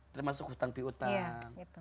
termasuk hutang pihutang